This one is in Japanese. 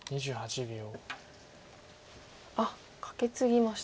あっカケツぎました。